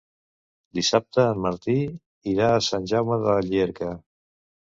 Dissabte en Martí irà a Sant Jaume de Llierca.